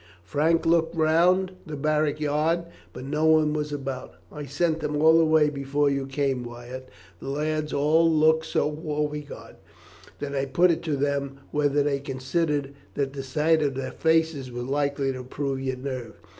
Frank looked round the barrack yard, but no one was about. "I sent them all away before you came, Wyatt. The lads all looked so woebegone that I put it to them whether they considered that the sight of their faces was likely to improve your nerve.